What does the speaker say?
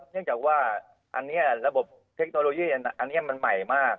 เนื่องจากว่าอันนี้ระบบเทคโนโลยีอันนี้มันใหม่มาก